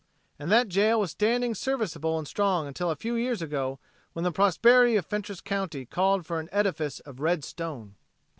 And that jail was standing serviceable and strong until a few years ago when the prosperity of Fentress county called for an edifice of red stone.